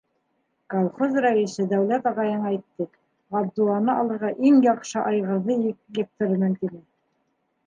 Колхоз рәйесе Дәүләт ағайың әйтте, Ғабдулланы алырға иң яҡшы айғырҙы ектерермен, тине.